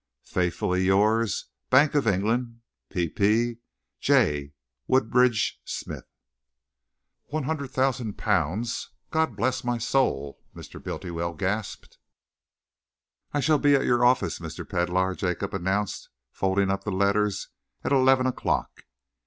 Faithfully yours, BANK OF ENGLAND. p. p. J. Woodridge Smith. "One hundred thousand pounds! God bless my soul!" Mr. Bultiwell gasped. "I shall be at your office, Mr. Pedlar," Jacob announced, folding up the letters, "at eleven o'clock."